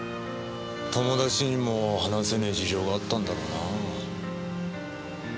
友達にも話せねえ事情があったんだろうなあ。